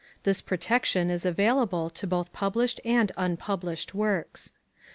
This protection is available to both published and unpublished works.